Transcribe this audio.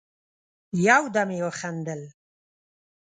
يودم يې وخندل: